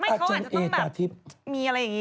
อาจารย์เอตาทิพย์